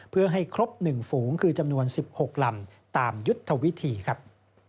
เพื่อให้ครบ๑ฝูงคือจำนวน๑๖ลำตามยุทธวิธีครับ